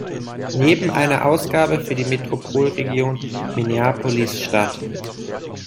Neben einer Ausgabe für die Metropolregion Minneapolis-St.